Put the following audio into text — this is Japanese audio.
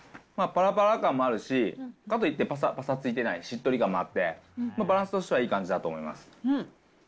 ぱらぱら感もあるし、かといってぱさついてない、しっとり感もあって、バランスとしてはいい感じだと思います。